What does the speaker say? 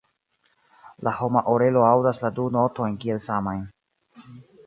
La homa orelo aŭdas la du notojn kiel samajn.